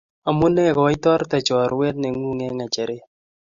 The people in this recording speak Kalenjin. Amune koitorte chorwet ngug eng ngecheret.